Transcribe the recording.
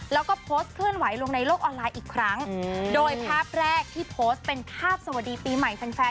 แล้วก็โพสต์เคลื่อนไหวลงในโลกออนไลน์อีกครั้งโดยภาพแรกที่โพสต์เป็นภาพสวัสดีปีใหม่แฟนแฟน